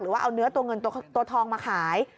ว่าเอาเนื้อตัวเงินตัวทองมาขาย